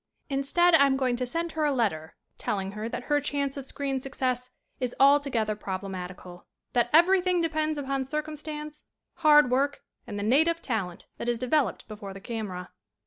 "Instead I am going to send her a letter telling her that her chance of screen success is altogether proble matical ; that everything depends upon circum stance, hard work and the native talent that is developed before the camera."